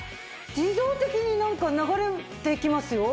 自動的になんか流れていきますよ。